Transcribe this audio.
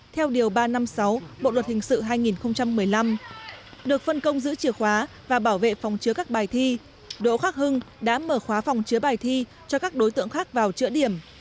theo điều ba trăm năm mươi sáu bộ luật hình sự hai nghìn một mươi năm được phân công giữ chìa khóa và bảo vệ phòng chứa các bài thi đỗ khắc hưng đã mở khóa phòng chứa bài thi cho các đối tượng khác vào chữa điểm